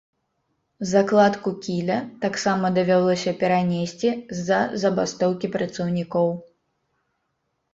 Закладку кіля таксама давялося перанесці з-за забастоўкі працаўнікоў.